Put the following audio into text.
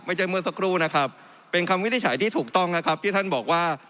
เมื่อสักครู่นะครับเป็นคำวินิจฉัยที่ถูกต้องนะครับที่ท่านบอกว่า